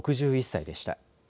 ６１歳でした。